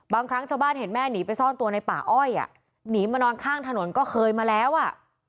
บางครั้งชาวบ้านเห็นแม่หนีไปซ่อนตัวในป่าอ้อยอ่ะหนีมานอนข้างถนนก็เคยมาแล้วอ่ะ